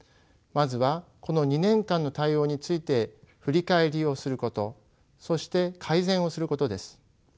まずはこの２年間の対応について振り返りをすることそして改善をすることです。